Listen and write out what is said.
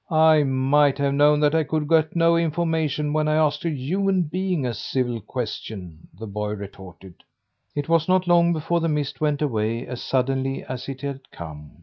"I might have known that I could get no information when I asked a human being a civil question," the boy retorted. It was not long before the mist went away as suddenly as it had come.